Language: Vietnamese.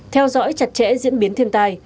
hai theo dõi chặt chẽ diễn biến thiên tai